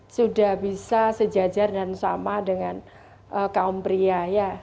sudah bisa sejajar dan sama dengan kaum pria ya